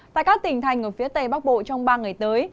tại các tỉnh thành ở phía tây bắc bộ trong ba ngày tới